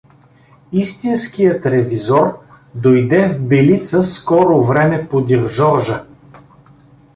Истинският ревизор дойде в Б-ца скоро време подир Жоржа.